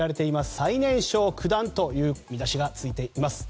最年少九段という見出しがついています。